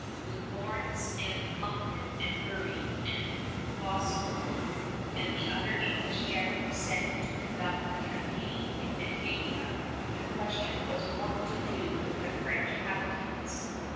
With Lawrence and Monckton and Murray and Boscawen and the other English generals sent to conduct the campaign in Acadia, the question was what to do with the French habitants.